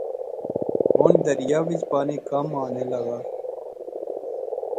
ہن دریا وچ پانی کم ہانے لاغآ